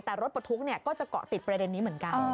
แต่รถปลดทุกข์ก็จะเกาะติดประเด็นนี้เหมือนกัน